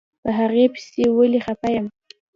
په هغې پسې ولې خپه يم.